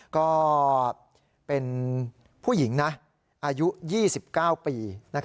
ก็เป็นผู้หญิงนะอายุ๒๙ปี